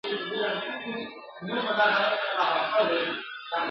کشپ وویل خبره مو منمه..